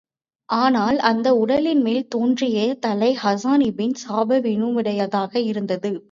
ஆனால், அந்த உடலின்மேல் தோன்றிய தலை ஹாஸான் இபின் சாபாவினுடையதாக இருந்தது.